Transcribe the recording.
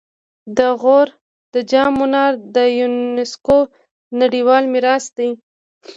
د غور د جام منار د یونسکو نړیوال میراث دی